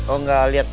oh gak liat